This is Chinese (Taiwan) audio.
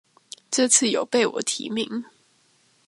這次有被我提名